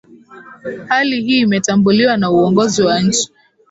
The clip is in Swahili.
Hali hii imetambuliwa na uongozi wa nchi